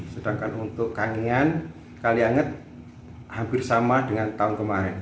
sedangkan untuk kangian kalianget hampir sama dengan tahun kemarin